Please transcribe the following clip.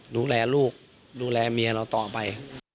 ดูแลลูกดูแลเมียเราต่อไป